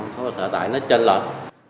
chỉ có con số là thả tải nó chân lẫn